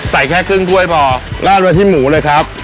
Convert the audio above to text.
แค่ครึ่งถ้วยพอลาดไว้ที่หมูเลยครับ